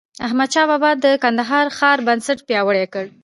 احمدشاه بابا د کندهار ښار بنسټ پیاوړی کړ.